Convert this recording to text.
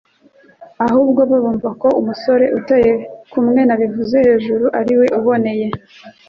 ahubwo bo bumva ko umusore uteye kumwe nabivuze hejuru ariwe uboneye